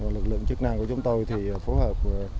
lực lượng chức năng của chúng tôi thì phối hợp